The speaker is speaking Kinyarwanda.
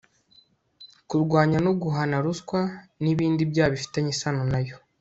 kurwanya no guhana ruswa n'ibindi byaha bifitanye isano nayo